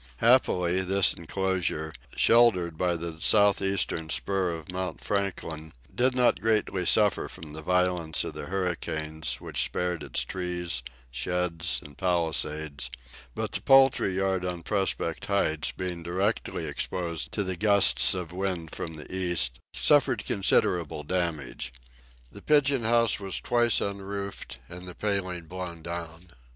Happily, this enclosure, sheltered by the southeastern spur of Mount Franklin, did not greatly suffer from the violence of the hurricanes, which spared its trees, sheds, and palisades; but the poultry yard on Prospect Heights, being directly exposed to the gusts of wind from the east, suffered considerable damage. The pigeon house was twice unroofed and the paling blown down.